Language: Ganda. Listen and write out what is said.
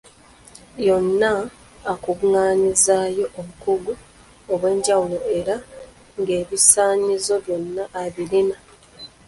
Yonna akungaanyizzaayo obukugu obwenjawulo era ng’ebisaanyizo byonna abirina.